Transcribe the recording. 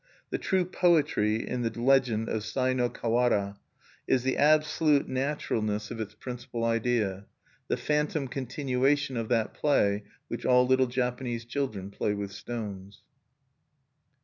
The true poetry in the legend of the Sai no Kawara is the absolute naturalness of its principal idea, the phantom continuation of that play which all little Japanese children play with stones.